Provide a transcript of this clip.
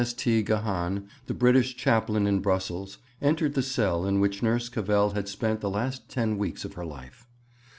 S. T. Gahan, the British Chaplain in Brussels, entered the cell in which Nurse Cavell had spent the last ten weeks of her life.